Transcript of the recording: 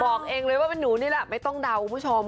บอกเองเลยว่าเป็นหนูนี่แหละไม่ต้องเดาคุณผู้ชม